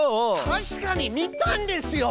たしかに見たんですよ！